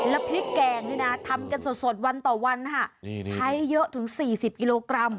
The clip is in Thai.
แล้วพริกแกงนี่นะทำกันสดวันต่อวันค่ะใช้เยอะถึง๔๐กิโลกรัม